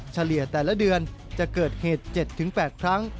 เฉลี่ยแต่ละเดือนจะเกิดเหตุ๗๘ครั้ง